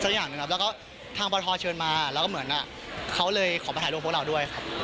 แล้วก็ทางพ่อทอเชิญมาแล้วก็เหมือนเขาเลยขอมาถ่ายรูปพวกเราด้วยครับ